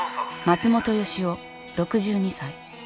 松本良夫６２歳。